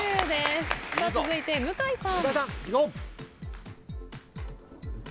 続いて向井さん。